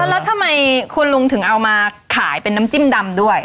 แล้วทำไมคุณลุงถึงเอามาขายเป็นน้ำจิ้มดำด้วย